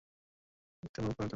তিনি আত্মার তৃপ্তি অনুভব করতেন।